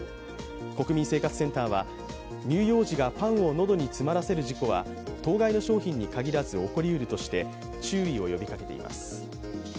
国民生活センターは、乳幼児がパンを喉に詰まらせる事故は当該の商品に限らず起こりうるとして注意を呼びかけています。